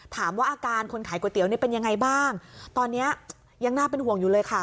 ถามว่าอาการคนขายก๋วยเตี๋ยวเนี่ยเป็นยังไงบ้างตอนนี้ยังน่าเป็นห่วงอยู่เลยค่ะ